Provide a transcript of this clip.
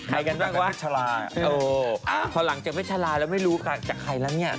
ใครกันบ้างวะโอ้โฮพอหลังเจอเวชลาแล้วไม่รู้จากใครแล้วเนี่ย